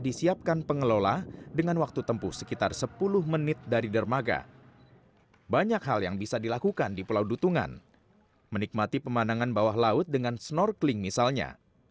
di pulau dutungan menikmati pemandangan bawah laut dengan snorkeling misalnya